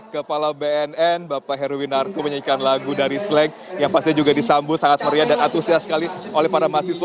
kepala bnn bapak heruwinarko menyanyikan lagu dari slang yang pasti juga disambut sangat meriah dan antusias sekali oleh para mahasiswa